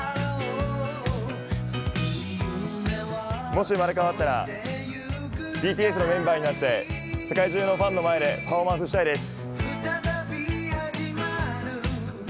もし生まれ変わったらＢＴＳのメンバーになって世界中のファンの前でパフォーマンスしたいです。